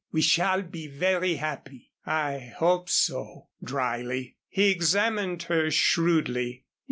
We shall be very happy." "I hope so," dryly. He examined her shrewdly.